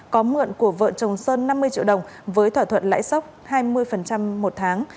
có mượn của vợ chồng sơn năm mươi triệu đồng với thỏa thuận lãi sốc hai mươi một tháng